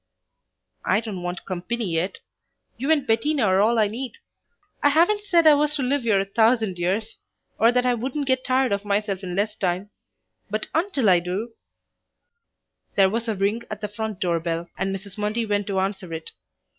"I don't want company yet. You and Bettina are all I need. I haven't said I was to live here a thousand years, or that I wouldn't get tired of myself in less time, but until I do " There was a ring at the front door bell and Mrs. Mundy went to answer it.